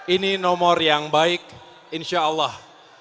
ini nomor yang baik insyaallah